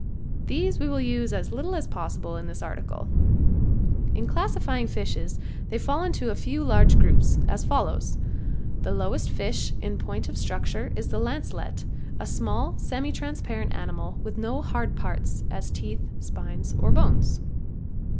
These we will use as little as possible in this article. In classifying fishes they fall into a few large groups, as follows: The lowest fish in point of structure is the lancelet, a small, semi transparent animal, with no hard parts, as teeth, spines or bones.